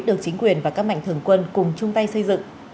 được chính quyền và các mạnh thường quân cùng chung tay xây dựng